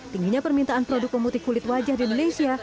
tingginya permintaan produk pemutih kulit wajah di malaysia